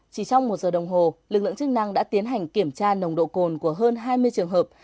chỉ trong một giờ đồng hồ lực lượng chức năng đã tiến hành kiểm tra nồng độ cồn của hơn hai mươi trường hợp